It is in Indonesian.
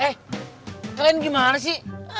eh kalian gimana sih